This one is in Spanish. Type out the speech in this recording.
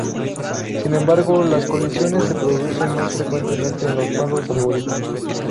Sin embargo, las colisiones se producen más frecuentemente en los malos algoritmos.